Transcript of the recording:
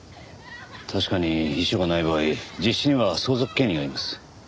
確かに遺書がない場合実子には相続権利があります。